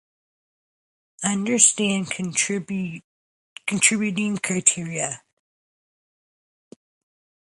Since its inception, the size of the Corps of Staff Cadets has fluctuated.